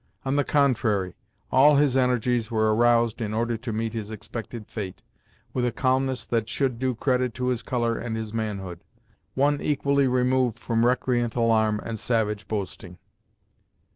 On the contrary, all his energies were aroused in order to meet his expected fate, with a calmness that should do credit to his colour and his manhood; one equally removed from recreant alarm, and savage boasting.